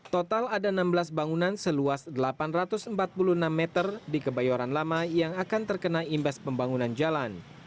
total ada enam belas bangunan seluas delapan ratus empat puluh enam meter di kebayoran lama yang akan terkena imbas pembangunan jalan